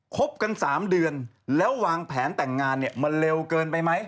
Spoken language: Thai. คบกัน๓เดือนแล้ววางแผนแต่งงานเนี่ยมันเร็วเกินไปไหม